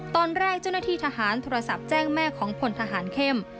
เจ้าหน้าที่ทหารโทรศัพท์แจ้งแม่ของพลทหารเข้ม